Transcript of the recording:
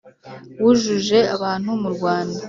wujuje abantu mu rwanda